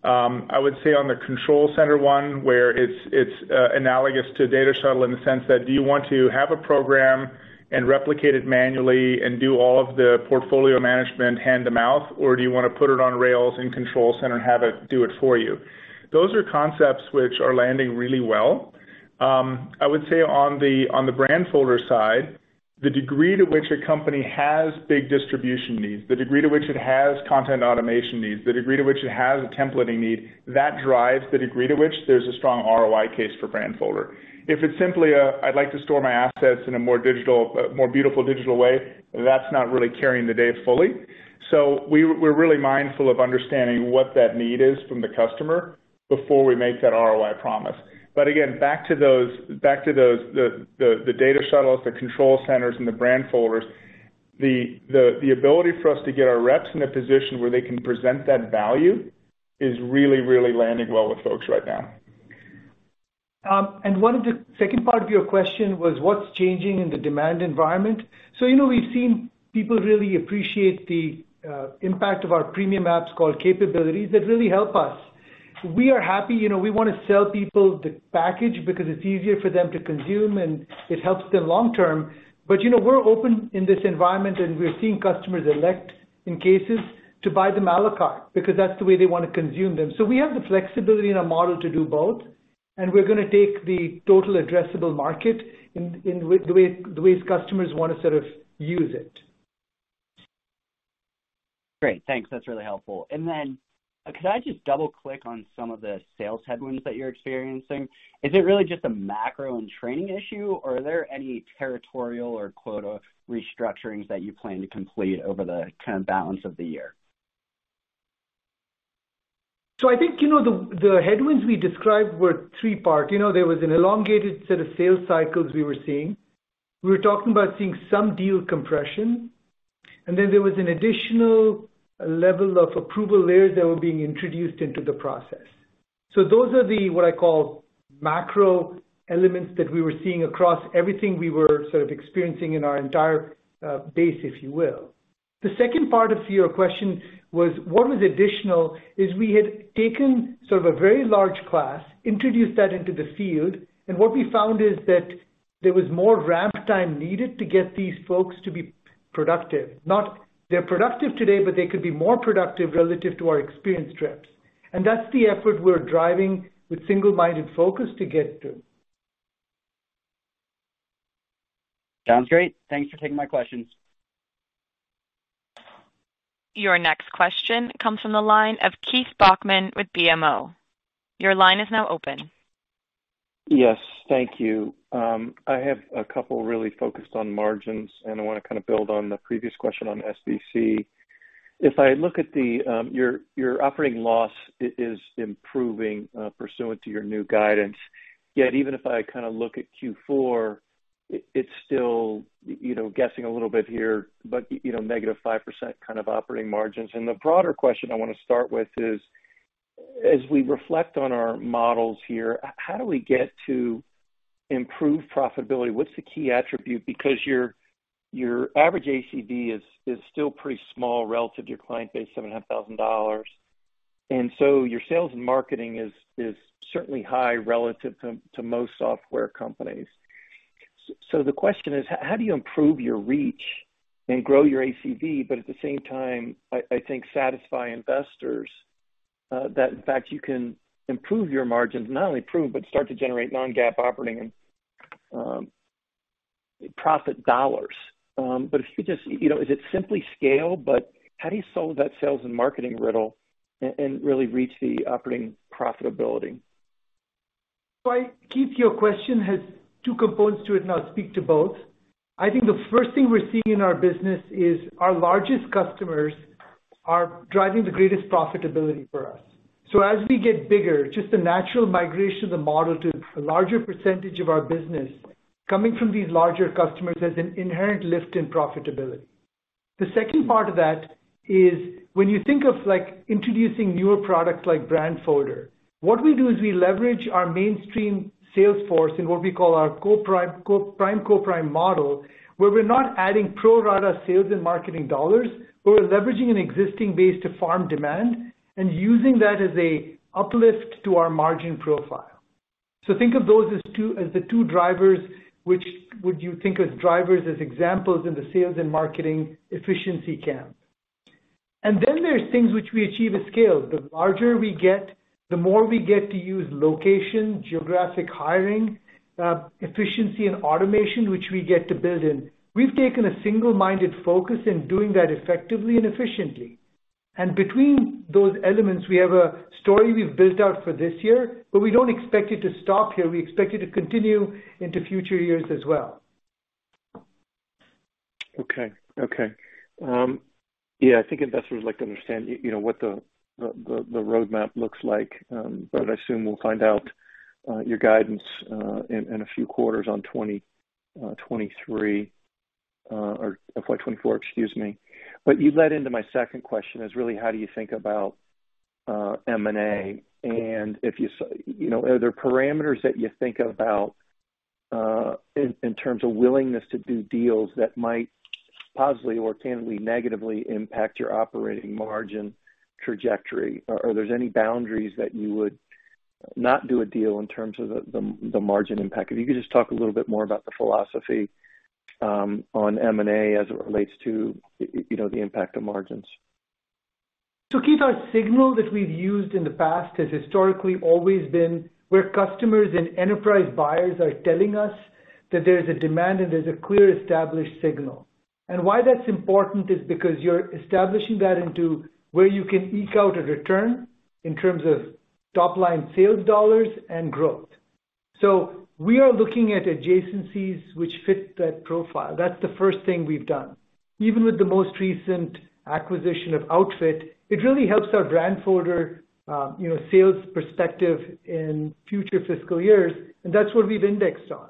I would say on the Control Center one, where it's analogous to Data Shuttle in the sense that do you want to have a program and replicate it manually and do all of the portfolio management hand to mouth, or do you wanna put it on rails in Control Center and have it do it for you? Those are concepts which are landing really well. I would say on the Brandfolder side, the degree to which a company has big distribution needs, the degree to which it has content automation needs, the degree to which it has a templating need, that drives the degree to which there's a strong ROI case for Brandfolder. If it's simply a, I'd like to store my assets in a more digital, more beautiful digital way, that's not really carrying the day fully. We're really mindful of understanding what that need is from the customer before we make that ROI promise. Again, back to those, the Data Shuttles, the Control Centers, and the Brandfolders, the ability for us to get our reps in a position where they can present that value is really landing well with folks right now. One of the second part of your question was what's changing in the demand environment? You know, we've seen people really appreciate the impact of our premium apps called capabilities that really help us. We are happy. You know, we wanna sell people the package because it's easier for them to consume, and it helps them long term. You know, we're open in this environment, and we're seeing customers elect in cases to buy them à la carte because that's the way they wanna consume them. We have the flexibility in our model to do both, and we're gonna take the total addressable market in the way customers wanna sort of use it. Great. Thanks. That's really helpful. Could I just double-click on some of the sales headwinds that you're experiencing? Is it really just a macro and training issue, or are there any territorial or quota restructurings that you plan to complete over the kind of balance of the year? I think, you know, the headwinds we described were three-part. You know, there was an elongated set of sales cycles we were seeing. We were talking about seeing some deal compression, and then there was an additional level of approval layers that were being introduced into the process. Those are the, what I call, macro elements that we were seeing across everything we were sort of experiencing in our entire base, if you will. The second part of your question was, what was additional, is we had taken sort of a very large class, introduced that into the field, and what we found is that there was more ramp time needed to get these folks to be productive. They're productive today, but they could be more productive relative to our experienced reps. That's the effort we're driving with single-minded focus to get to. Sounds great. Thanks for taking my questions. Your next question comes from the line of Keith Bachman with BMO. Your line is now open. Yes. Thank you. I have a couple really focused on margins, and I wanna kind of build on the previous question on SBC. If I look at the your operating loss is improving pursuant to your new guidance. Yet, even if I kinda look at Q4, it's still, you know, guessing a little bit here, but, you know, -5% kind of operating margins. The broader question I wanna start with is, as we reflect on our models here, how do we get to improve profitability? What's the key attribute? Because your average ACV is still pretty small relative to your client base, $7,500. And so your sales and marketing is certainly high relative to most software companies. The question is: How do you improve your reach and grow your ACV, but at the same time, I think satisfy investors that in fact you can improve your margins? Not only improve, but start to generate non-GAAP operating and profit dollars. If you just, you know, is it simply scale? How do you solve that sales and marketing riddle and really reach the operating profitability? Keith, your question has two components to it, and I'll speak to both. I think the first thing we're seeing in our business is our largest customers are driving the greatest profitability for us. As we get bigger, just the natural migration of the model to a larger percentage of our business coming from these larger customers, there's an inherent lift in profitability. The second part of that is when you think of, like, introducing newer products like Brandfolder, what we do is we leverage our mainstream sales force in what we call our co-prime model, where we're not adding pro rata sales and marketing dollars, but we're leveraging an existing base to farm demand and using that as a uplift to our margin profile. Think of those as two, as the two drivers which we think of as drivers as examples in the sales and marketing efficiency camp. Then there's things which we achieve at scale. The larger we get, the more we get to use location, geographic hiring, efficiency and automation, which we get to build in. We've taken a single-minded focus in doing that effectively and efficiently. Between those elements, we have a story we've built out for this year, but we don't expect it to stop here. We expect it to continue into future years as well. Okay. Okay. Yeah, I think investors like to understand, you know, what the roadmap looks like, but I assume we'll find out your guidance in a few quarters on 2020, 2023, or FY 2024, excuse me. You led into my second question, is really how do you think about M&A? And if you know, are there parameters that you think about in terms of willingness to do deals that might positively or candidly negatively impact your operating margin trajectory? Or there's any boundaries that you would not do a deal in terms of the margin impact? If you could just talk a little bit more about the philosophy on M&A as it relates to you know, the impact on margins. Keith, our signal that we've used in the past has historically always been where customers and enterprise buyers are telling us that there's a demand and there's a clear established signal. Why that's important is because you're establishing that into where you can eke out a return in terms of top-line sales dollars and growth. We are looking at adjacencies which fit that profile. That's the first thing we've done. Even with the most recent acquisition of Outfit, it really helps our Brandfolder, you know, sales perspective in future fiscal years, and that's what we've indexed on.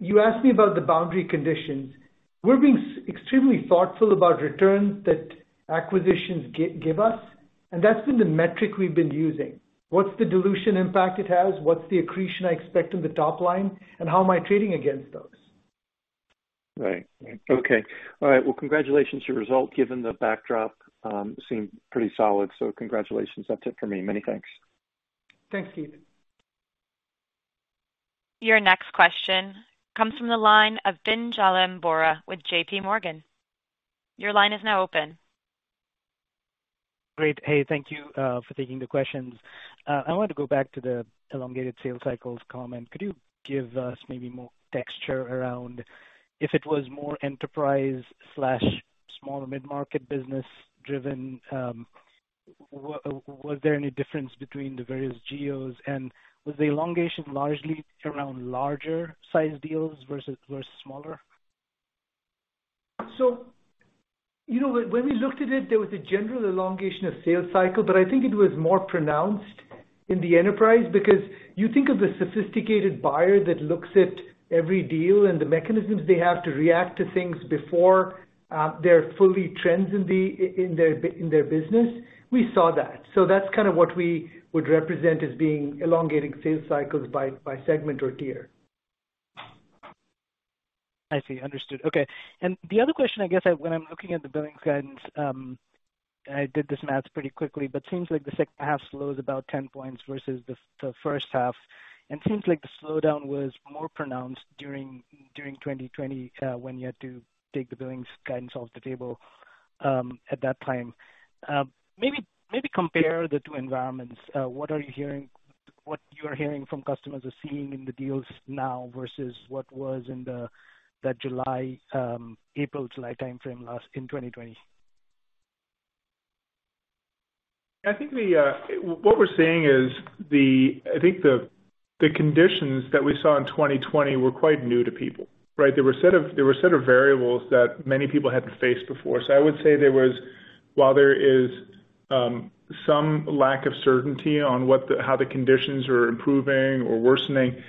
You asked me about the boundary conditions. We're being extremely thoughtful about returns that acquisitions give us, and that's been the metric we've been using. What's the dilution impact it has? What's the accretion I expect on the top line, and how am I trading against those? Right. Okay. All right. Well, congratulations to your result. Given the backdrop, it seemed pretty solid. Congratulations. That's it for me. Many thanks. Thanks, Keith. Your next question comes from the line of Pinjalim Bora with JPMorgan. Your line is now open. Great. Hey, thank you for taking the questions. I wanted to go back to the elongated sales cycles comment. Could you give us maybe more texture around if it was more enterprise slash small or mid-market business driven? Was there any difference between the various geos? Was the elongation largely around larger sized deals versus smaller? You know, when we looked at it, there was a general elongation of sales cycle, but I think it was more pronounced in the enterprise because you think of the sophisticated buyer that looks at every deal and the mechanisms they have to react to things before they're fully entrenched in their business. We saw that. That's kind of what we would represent as being elongating sales cycles by segment or tier. I see. Understood. Okay. The other question, I guess, when I'm looking at the billings guidance, I did this math pretty quickly, but seems like the second half slows about 10 points versus the first half, and seems like the slowdown was more pronounced during 2020, when you had to take the billings guidance off the table, at that time. Maybe compare the two environments. What you're hearing from customers are seeing in the deals now versus what was in that April-July timeframe last in 2020. I think what we're seeing is the conditions that we saw in 2020 were quite new to people, right? There was a set of variables that many people hadn't faced before. I would say while there is some lack of certainty on how the conditions are improving or worsening,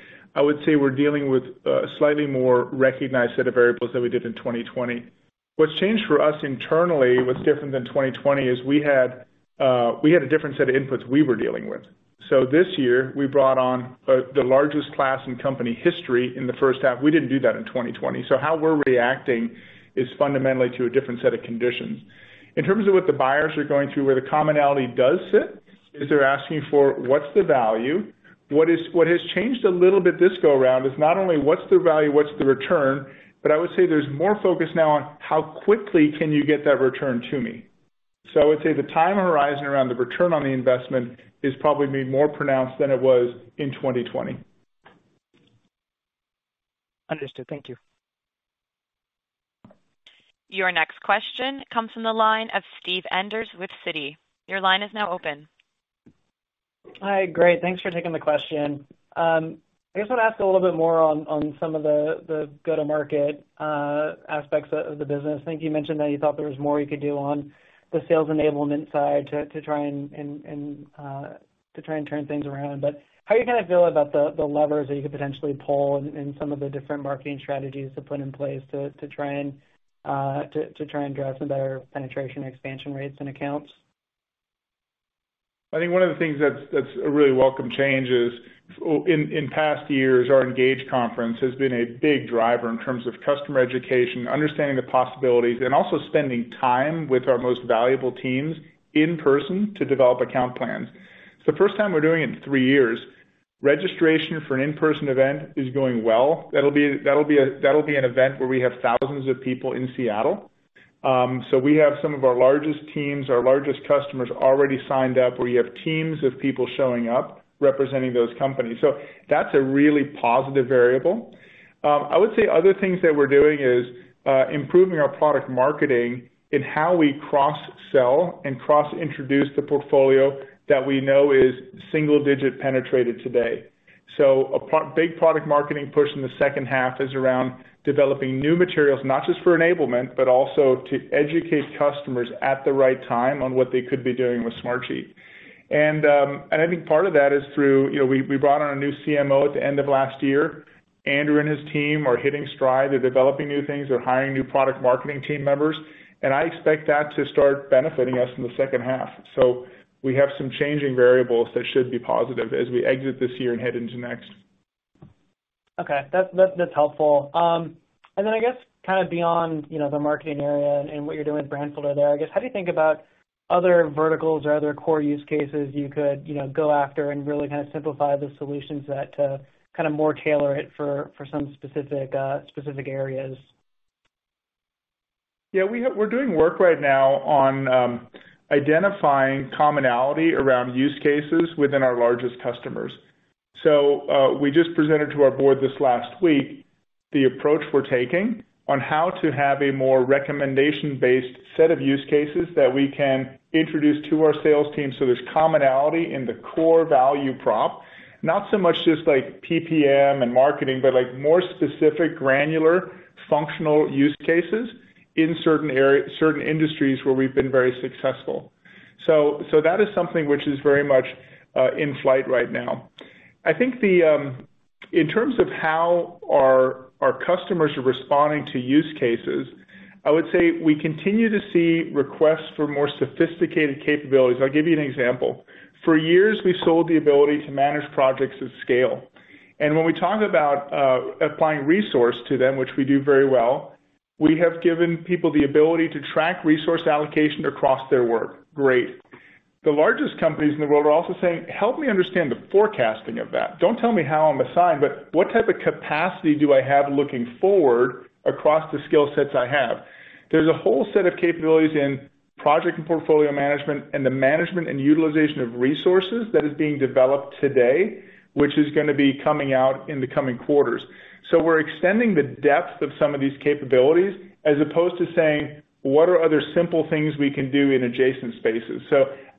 we're dealing with a slightly more recognized set of variables than we did in 2020. What's changed for us internally, what's different than 2020 is we had a different set of inputs we were dealing with. This year, we brought on the largest class in company history in the first half. We didn't do that in 2020. How we're reacting is fundamentally to a different set of conditions. In terms of what the buyers are going through, where the commonality does sit, is they're asking for what's the value, what has changed a little bit this go around is not only what's the value, what's the return, but I would say there's more focus now on how quickly can you get that return to me. I would say the time horizon around the return on the investment is probably more pronounced than it was in 2020. Understood. Thank you. Your next question comes from the line of Steve Enders with Citi. Your line is now open. Hi. Great, thanks for taking the question. I just want to ask a little bit more on some of the go-to-market aspects of the business. I think you mentioned that you thought there was more you could do on the sales enablement side to try and turn things around. How are you kinda feeling about the levers that you could potentially pull and some of the different marketing strategies to put in place to try and drive some better penetration expansion rates and accounts? I think one of the things that's a really welcome change is in past years, our ENGAGE conference has been a big driver in terms of customer education, understanding the possibilities, and also spending time with our most valuable teams in person to develop account plans. It's the first time we're doing it in three years. Registration for an in-person event is going well. That'll be an event where we have thousands of people in Seattle. So we have some of our largest teams, our largest customers already signed up, where you have teams of people showing up representing those companies. So that's a really positive variable. I would say other things that we're doing is improving our product marketing in how we cross-sell and cross-introduce the portfolio that we know is single-digit penetrated today. A big product marketing push in the second half is around developing new materials, not just for enablement, but also to educate customers at the right time on what they could be doing with Smartsheet. I think part of that is through, you know, we brought on a new CMO at the end of last year. Andrew and his team are hitting stride. They're developing new things. They're hiring new product marketing team members, and I expect that to start benefiting us in the second half. We have some changing variables that should be positive as we exit this year and head into next. Okay. That's helpful. I guess kind of beyond, you know, the marketing area and what you're doing with Brandfolder there, I guess, how do you think about other verticals or other core use cases you could, you know, go after and really kinda simplify the solutions that kinda more tailor it for some specific areas? We're doing work right now on identifying commonality around use cases within our largest customers. We just presented to our board this last week the approach we're taking on how to have a more recommendation-based set of use cases that we can introduce to our sales team, so there's commonality in the core value prop. Not so much just like PPM and marketing, but like more specific granular functional use cases in certain industries where we've been very successful. That is something which is very much in flight right now. I think in terms of how our customers are responding to use cases, I would say we continue to see requests for more sophisticated capabilities. I'll give you an example. For years, we've sold the ability to manage projects at scale. When we talk about applying resource to them, which we do very well, we have given people the ability to track resource allocation across their work. Great. The largest companies in the world are also saying, "Help me understand the forecasting of that. Don't tell me how I'm assigned, but what type of capacity do I have looking forward across the skill sets I have?" There's a whole set of capabilities in project and portfolio management and the management and utilization of resources that is being developed today, which is gonna be coming out in the coming quarters. We're extending the depth of some of these capabilities as opposed to saying, "What are other simple things we can do in adjacent spaces?"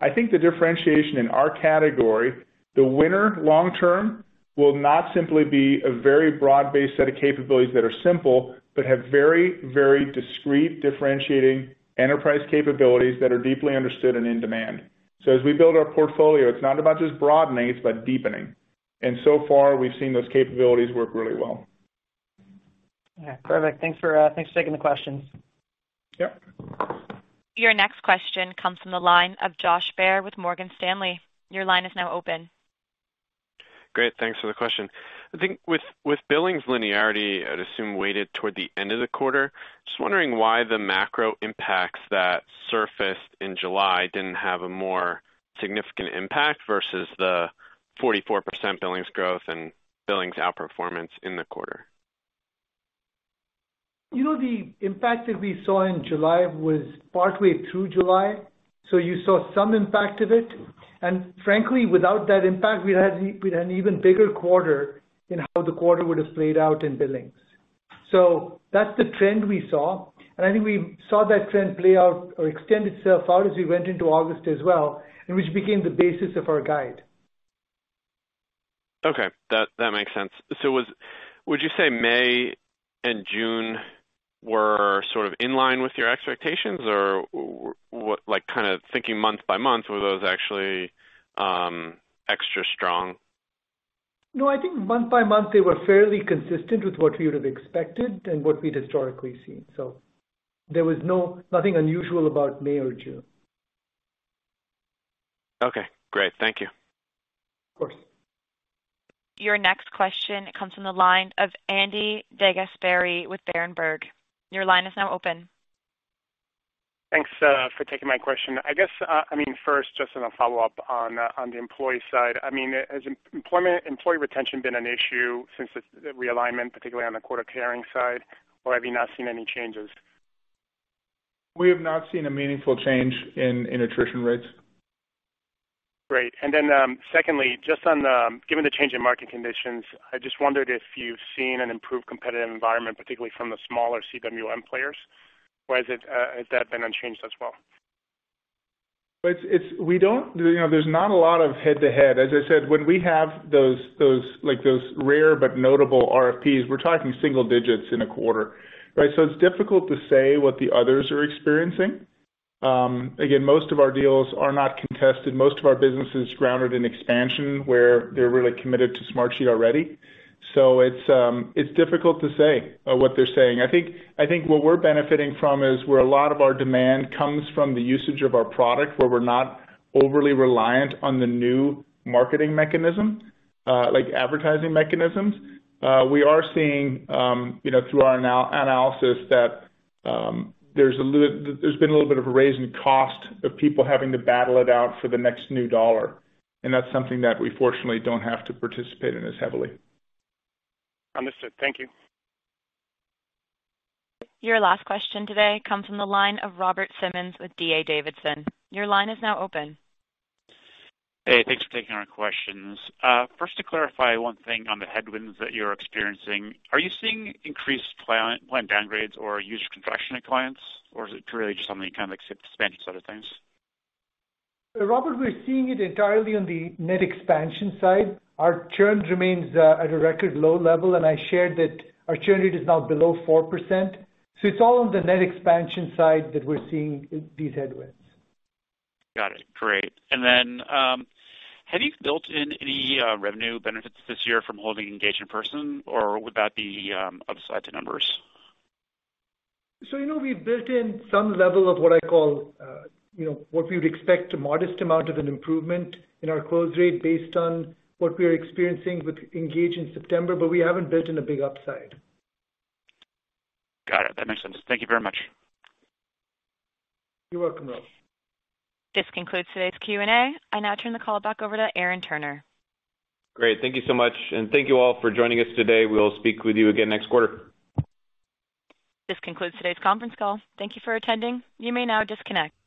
I think the differentiation in our category, the winner long term will not simply be a very broad-based set of capabilities that are simple, but have very, very discrete differentiating enterprise capabilities that are deeply understood and in demand. As we build our portfolio, it's not about just broadening it, but deepening. So far, we've seen those capabilities work really well. Yeah. Perfect. Thanks for taking the question. Yep. Your next question comes from the line of Josh Baer with Morgan Stanley. Your line is now open. Great. Thanks for the question. I think with billings linearity, I'd assume weighted toward the end of the quarter, just wondering why the macro impacts that surfaced in July didn't have a more significant impact versus the 44% billings growth and billings outperformance in the quarter. You know, the impact that we saw in July was partway through July, so you saw some impact of it. Frankly, without that impact, we'd had an even bigger quarter in how the quarter would have played out in billings. That's the trend we saw. I think we saw that trend play out or extend itself out as we went into August as well, and which became the basis of our guide. Okay, that makes sense. Would you say May and June were sort of in line with your expectations? What, like, kind of thinking month by month, were those actually extra strong? No, I think month by month, they were fairly consistent with what we would have expected and what we'd historically seen. There was nothing unusual about May or June. Okay, great. Thank you. Of course. Your next question comes from the line of Andrew DeGasperi with Berenberg. Your line is now open. Thanks for taking my question. I guess, I mean, first, just as a follow-up on the employee side, I mean, has employee retention been an issue since this, the realignment, particularly on the quarter carrying side? Or have you not seen any changes? We have not seen a meaningful change in attrition rates. Great. Secondly, just on the, given the change in market conditions, I just wondered if you've seen an improved competitive environment, particularly from the smaller CWM players. Or has it, has that been unchanged as well? It's we don't, you know, there's not a lot of head-to-head. As I said, when we have those, like those rare but notable RFPs, we're talking single digits in a quarter, right? It's difficult to say what the others are experiencing. Again, most of our deals are not contested. Most of our business is grounded in expansion, where they're really committed to Smartsheet already. It's difficult to say what they're saying. I think what we're benefiting from is where a lot of our demand comes from the usage of our product, where we're not overly reliant on the new marketing mechanism, like advertising mechanisms. We are seeing, you know, through our analysis that there's been a little bit of a rise in cost of people having to battle it out for the next new dollar, and that's something that we fortunately don't have to participate in as heavily. Understood. Thank you. Your last question today comes from the line of Robert Simmons with D.A. Davidson. Your line is now open. Hey. Thanks for taking our questions. First, to clarify one thing on the headwinds that you're experiencing, are you seeing increased plan downgrades or user contraction at clients? Or is it really just on the kind of like expansion side of things? Robert, we're seeing it entirely on the net expansion side. Our churn remains at a record low level, and I shared that our churn rate is now below 4%. It's all on the net expansion side that we're seeing these headwinds. Got it. Great. Have you built in any revenue benefits this year from holding ENGAGE in person or would that be upside to numbers? You know, we've built in some level of what I call, you know, what we would expect a modest amount of an improvement in our close rate based on what we are experiencing with ENGAGE in September, but we haven't built in a big upside. Got it. That makes sense. Thank you very much. You're welcome, Rob. This concludes today's Q&A. I now turn the call back over to Aaron Turner. Great. Thank you so much, and thank you all for joining us today. We'll speak with you again next quarter. This concludes today's conference call. Thank you for attending. You may now disconnect.